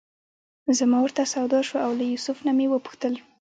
زما ورته سودا شوه او له یوسف نه مې وپوښتل.